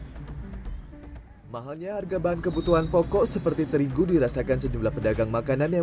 hai mahalnya harga bahan kebutuhan pokok seperti terigu dirasakan sejumlah pedagang makanan yang